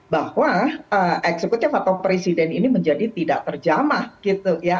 bahwa eksekutif atau presiden ini menjadi tidak terjamah gitu ya